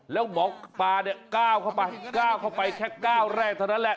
แล้วหมอปาเนี่ยก้าวเข้าไปแค่ก้าวแรกเท่านั้นแหละ